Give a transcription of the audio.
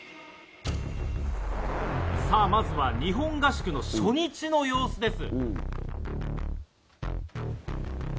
さぁまずは日本合宿の初日の様子です。